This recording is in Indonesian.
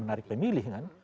menarik pemilih kan